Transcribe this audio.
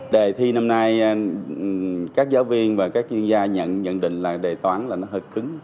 đề thi năm nay các giáo viên và các chuyên gia nhận nhận định là đề toán là nó hơi cứng